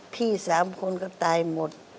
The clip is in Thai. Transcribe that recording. พี่๓คนก็ตายหมด